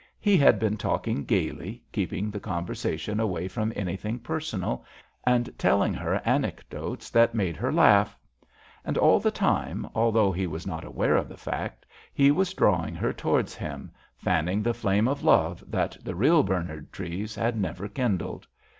He had been talking gaily keeping the conversation away from anything personal, and telling her anecdotes that made her laugh. And all the time, although he was not aware of the fact, he was drawing her towards him, fanning the flame of love that the real Bernard Treves had never kindled.